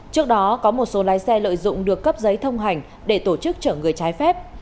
trước đó có một số lái xe lợi dụng được cấp giấy thông hành để tổ chức chở người trái phép